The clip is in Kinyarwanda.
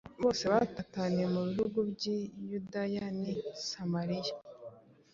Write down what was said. bose batataniye mu bihugu by’ i Yudaya n’i Samariya.”